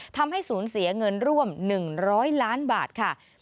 ทำให้สูญเสียเงินร่วม๑๐๐ล้านบาทค่ะ